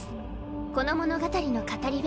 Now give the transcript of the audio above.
この物語の語り部